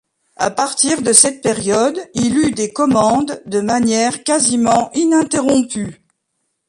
À partir de cette période, il eut des commandes de manière quasiment ininterrompue.